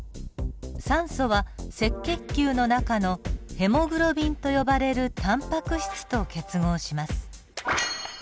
酸素は赤血球の中のヘモグロビンと呼ばれるタンパク質と結合します。